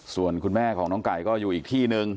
ส่วนคุณแม่ของน้องไก่ก็อยู่อีกที่นึง